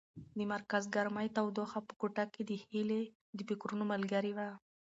د مرکز ګرمۍ تودوخه په کوټه کې د هیلې د فکرونو ملګرې وه.